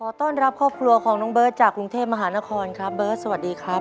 ต้อนรับครอบครัวของน้องเบิร์ตจากกรุงเทพมหานครครับเบิร์ตสวัสดีครับ